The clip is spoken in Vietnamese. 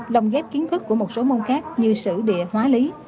lồng ghép kiến thức của một số môn khác như sử địa hóa lý